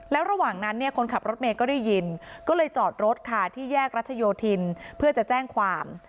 แล้วระหว่างนั้นเนี่ยคนขับรถเมย์ก็ได้ยินก็เลยจอดรถค่ะที่แยกรัชโยธินเพื่อจะแจ้งความ